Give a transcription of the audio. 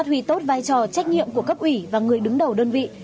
huy tốt vai trò trách nhiệm của cấp ủy và người đứng đầu đơn vị